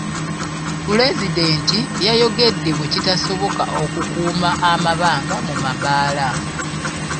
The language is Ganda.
Pulezidenti yayogedde bwe kitasoboka okukuuma amabanga mu mabbaala.